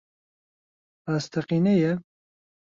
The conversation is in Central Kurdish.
ڕاستەقینەیە؟